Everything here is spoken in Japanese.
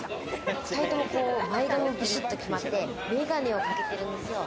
２人とも前髪がビシッと決まって、眼鏡をかけてるんですよ。